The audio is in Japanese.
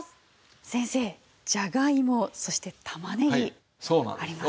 先生じゃがいもそして玉ねぎあります。